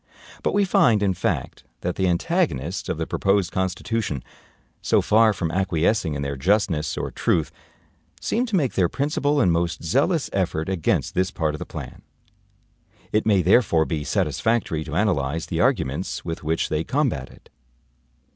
But we find, in fact, that the antagonists of the proposed Constitution, so far from acquiescing in their justness or truth, seem to make their principal and most zealous effort against this part of the plan. It may therefore be satisfactory to analyze the arguments with which they combat it.